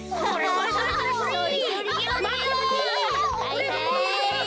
はいはい。